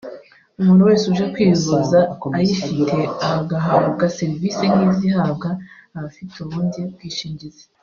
umuntu wese uje kwivuza ayifite agahabwa serivisi nk’izihabwa abafite ubundi bwishingizi